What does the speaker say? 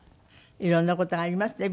色んな事がありますね。